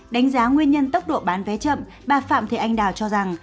đánh giá nguyên nhân tốc độ bán vé chậm bà phạm thị anh đào cho rằng